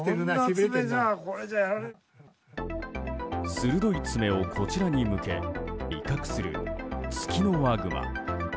鋭い爪をこちらに向け威嚇するツキノワグマ。